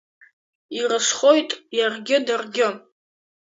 Ирызхоит иаргьы даргьы.